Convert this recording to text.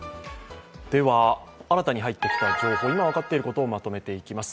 では、新たに入ってきた情報、今分かっていることをまとめています。